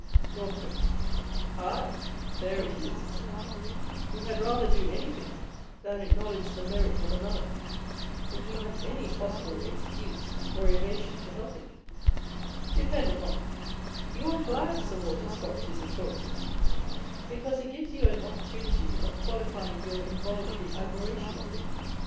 Northcote. Aye, there it is. We had rather do any thing than acknowledge the merit of another, if we have any possible excuse or evasion to help it. Depend upon it, you are glad Six Walter Scott is a Tory â€" because it gives you an opportunity of qualifying your involuntary admiration of him.